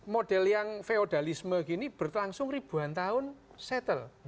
model yang feodalisme gini berlangsung ribuan tahun settle